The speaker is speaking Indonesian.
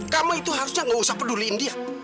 kamu itu harusnya gak usah peduliin dia